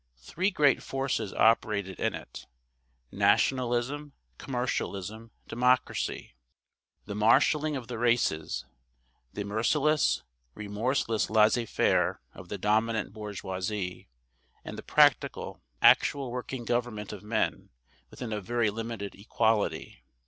Three great forces operated in it: nationalism, commercialism, democracy the marshalling of the races, the merciless, remorseless laissez faire of the dominant bourgeoisie, and the practical, actual working government of men within a very limited equality.